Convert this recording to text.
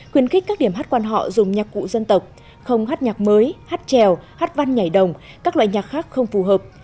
khuyến khích các điểm hát quan họ dùng nhạc cụ dân tộc không hát nhạc mới hát trèo hát văn nhảy đồng các loại nhạc khác không phù hợp